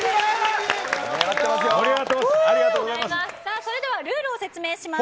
それではルール説明を説明します。